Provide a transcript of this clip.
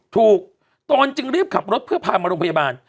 ตนจึงรีบขับรถเพื่อพามาโรงพยาบาล